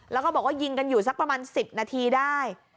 แล้วก็บอกว่ายิงกันอยู่สักประมาณ๑๐นาทีได้